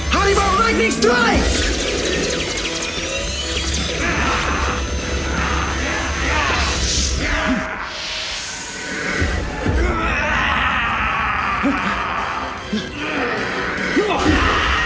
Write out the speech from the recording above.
harimau lightning strike